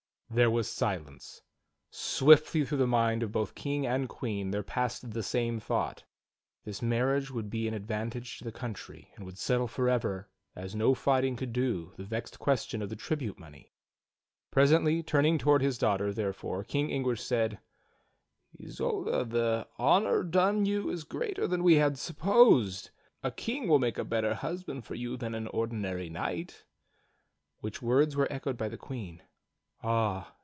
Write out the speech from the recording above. There was silence. Swiftly through the mind of both King and Queen there passed the same thought: "This marriage would be an advantage to the country, and would settle forever, as no fighting could do, the vexed question of the tribute money." Presently turn ing toward his daughter, therefore. King Anguish said: "Isolda, the honor done you is greater than we had supposed. A king will make a better husband for you than an ordinary knight." Which words were echoed by the Queen: "Ah!